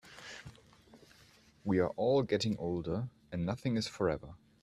We are all getting older, and nothing is forever.